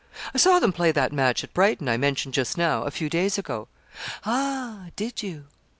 'I saw them play that match at Brighton, I mentioned just now, a few days ago.' 'Ah! did you?'